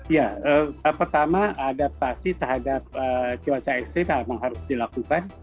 ya pertama adaptasi terhadap cuaca ekstrim memang harus dilakukan